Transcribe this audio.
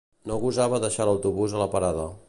No gosava deixar l'autobús a la parada